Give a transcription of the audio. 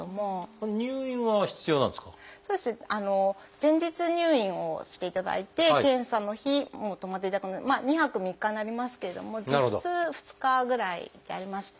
前日入院をしていただいて検査の日も泊まっていただくのでまあ２泊３日になりますけれども実質２日ぐらいでやりまして